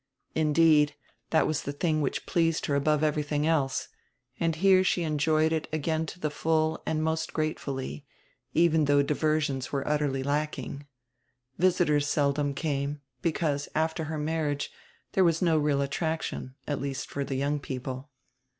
Indeed that was the tiling which pleased her above everything else, and here she enjoyed it again to die full and most gratefully, even though diversions were utterly lacking. Visitors seldom came, because after her marriage there was no real attraction, at least for the young people.